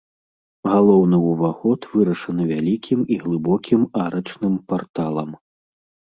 Галоўны ўваход вырашаны вялікім і глыбокім арачным парталам.